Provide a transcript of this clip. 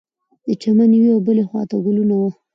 د چمن یوې او بلې خوا ته ګلونه وه.